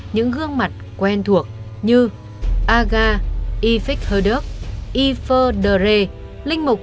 những gương mặt quen thuộc về tên tuổi của bản thân